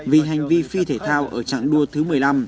vì hành vi phi thể thao ở trạng đua thứ một mươi năm